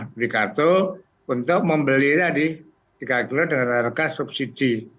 diberi kartu untuk membelinya di tiga kilo dengan harga subsidi